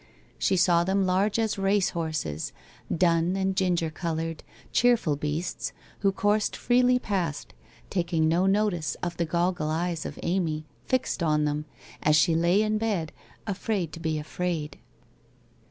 She saw them large as race horses, dun and gin ger coloured, cheerful beasts, who coursed freely past, taking no notice of the goggle eyes of Amy, fixed on them, as she lay in bed, afraid to be afraid.